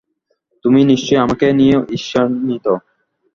তুমি নিশ্চয়ই আমাকে নিয়ে ঈর্ষান্বিত।